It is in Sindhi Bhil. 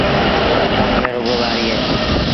ٿر ميݩ رڳو وآريٚ اهي۔